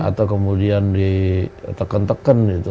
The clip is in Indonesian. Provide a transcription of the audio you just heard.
atau kemudian di tekan tekan gitu